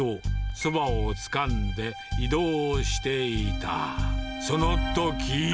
そばをつかんで移動していたそのとき。